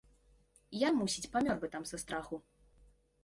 Я, мусіць, памёр бы там са страху.